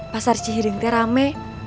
pasar cihideng teh rame